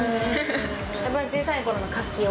やっぱり小さいころの活気を？